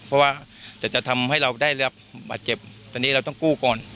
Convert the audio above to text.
เพราะว่าแต่จะทำให้เราได้รับบาดเจ็บตอนนี้เราต้องกู้ก่อน